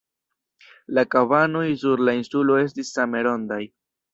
La kabanoj sur la insulo estis same rondaj.